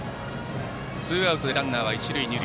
ツーアウトランナーは一塁二塁。